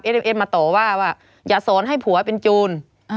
เอ็มเอสมาต่อว่าว่าอย่าสอนให้ผัวเป็นจูน